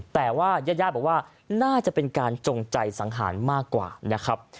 แต่ว่าญาติญาติบอกว่าน่าจะเป็นการจงใจสังหารมากกว่านะครับ